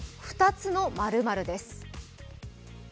２つの○○です。